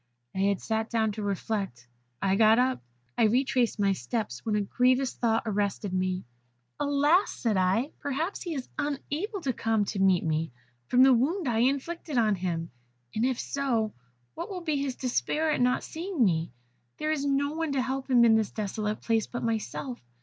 I had sat down to reflect. I got up. I retraced my steps, when a grievous thought arrested me. 'Alas!' said I, 'perhaps he is unable to come to meet me, from the wound I inflicted on him; and if so, what will be his despair at not seeing me? There is no one to help him in this desolate place but myself.